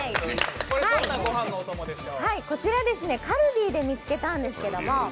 こちら、カルディで見つけたんですけれども。